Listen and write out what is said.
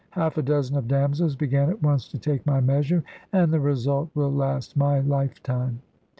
Half a dozen of damsels began at once to take my measure: and the result will last my lifetime.